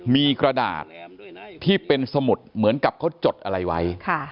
มีกระดาษที่เป็นสมุดเหมือนกับเขาจดอะไรไว้